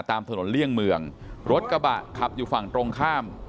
ตามถนนเลี่ยงเมืองรถกระบะขับอยู่ฝั่งตรงข้าม